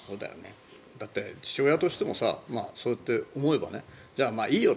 だって父親としてもそうやって思えばじゃあ、いいよ